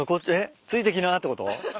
ついてきなってこと？